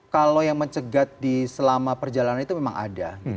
kalau yang mencegat di selama perjalanan itu memang ada